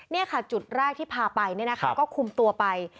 นี่ค่ะจุดแรกที่พาไปก็คุมตัวไป